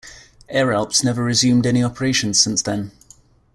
Air Alps never resumed any operations since then.